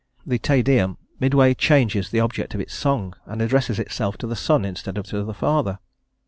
The Te Deum midway changes the object of its song, and addresses itself to the Son instead of to the Father.